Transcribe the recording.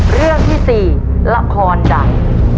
เรื่องที่๔ละครดัง